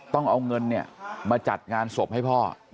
ต้องเอาเงินมาจัดงานศพให้พ่อ